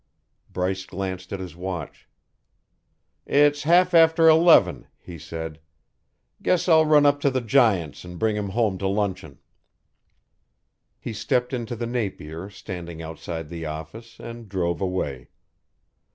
Bryce glanced at his watch. "It's half after eleven," he said. "Guess I'll run up to the Giants and bring him home to luncheon." He stepped into the Napier standing outside the office and drove away.